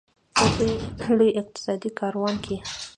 په دې لوی اقتصادي کاروان کې.